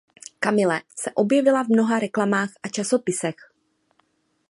Camille se objevila v mnoha reklamách a časopisech.